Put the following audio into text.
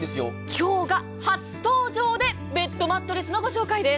今日が初登場でベッドマットレスのご紹介です。